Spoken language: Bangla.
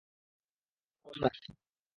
পাগল না কি?